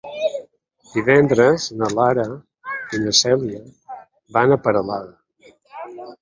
Divendres na Lara i na Cèlia van a Peralada.